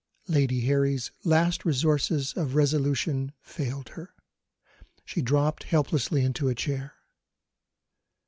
Lady Harry's last resources of resolution failed her. She dropped helplessly into a chair.